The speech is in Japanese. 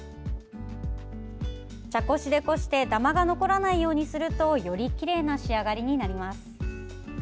茶こしでこしてだまが残らないようにするとよりきれいな仕上がりになります。